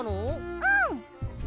うん！